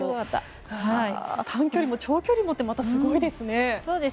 短距離も長距離もってすごいですね。